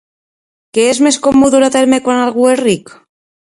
Què és comú dur a terme quan algú és ric?